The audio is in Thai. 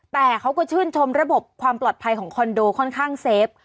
แต่เขาก็ชื่นชมระบบความปลอดภัยของคอนโดค่อนข้างเซฟ